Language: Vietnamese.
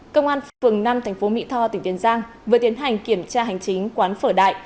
công an phường năm tp mỹ tho tỉnh tiền giang vừa tiến hành kiểm tra hành chính quán phở đại